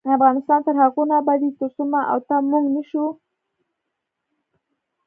افغانستان تر هغو نه ابادیږي، ترڅو ما او تا "موږ" نشو.